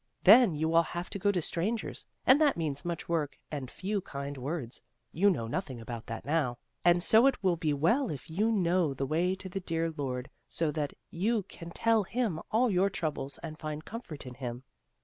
Then you will have to go to strangers, and that means much work and few kind words. You know noth ing about that now, and so it will be well if you know the way to the dear Lord, so that you can tell Him all your troubles and find comfort in Him."